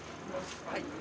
はい。